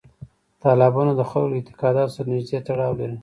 تالابونه د خلکو له اعتقاداتو سره نږدې تړاو لري.